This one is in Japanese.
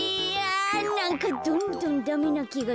なんかどんどんダメなきがしてきた。